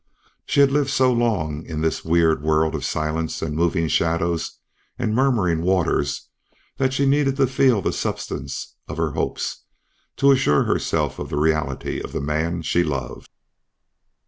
She had lived so long alone in this weird world of silence and moving shadows and murmuring water, that she needed to feel the substance of her hopes, to assure herself of the reality of the man she loved.